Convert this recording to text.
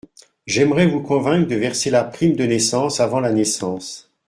J’aimerais vous convaincre de verser la prime de naissance avant la naissance.